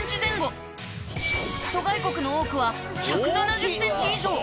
諸外国の多くは１７０センチ以上。